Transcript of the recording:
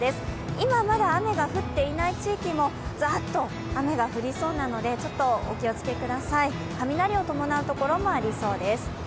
今はまだ雨が降っていない地域もざーっと雨が降りそうなので、ちょっとお気をつけください、雷を伴うところもありそうです。